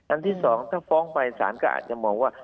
ที่๒ถ้าฟ้องไปสารก็อาจจะมองว่า